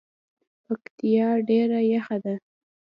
پکتیا ډیره یخه ده